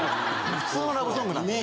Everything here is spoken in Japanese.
普通のラブソングなんでね。